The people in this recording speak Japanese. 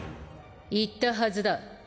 言ったはずだ。